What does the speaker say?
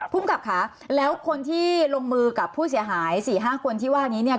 ภูมิกับค่ะแล้วคนที่ลงมือกับผู้เสียหาย๔๕คนที่ว่านี้เนี่ย